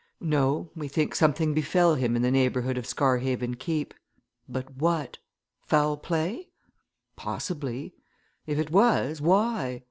No we think something befell him in the neighbourhood of Scarhaven Keep. But what? Foul play? Possibly! If it was why?